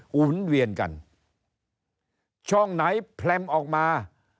หุ่นเวียนกันช่องไหนแพรมออกมา